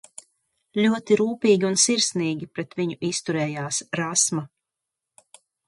Ļoti rūpīgi un sirsnīgi pret viņu izturējās Rasma.